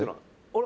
「あれ？